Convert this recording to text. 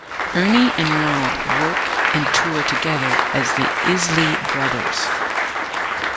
Ernie and Ronald work and tour together as The Isley Brothers.